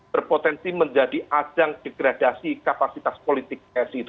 berpotensi menjadi ajang degradasi kapasitas politik